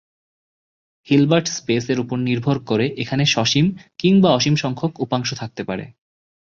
Hilbert স্পেসের ওপর নির্ভর করে এখানে সসীম কিংবা অসীম সংখ্যক উপাংশ থাকতে পারে।